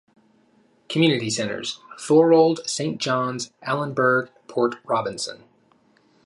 Community centres: Thorold, Saint John's, Allenburg, Port Robinson.